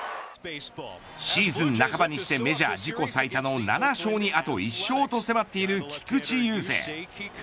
シーズン半ばにしてメジャー自己最多の７勝にあと１勝と迫っている菊池雄星。